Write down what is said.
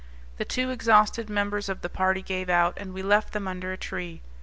The two exhausted members of the party gave out, and we left them under a tree.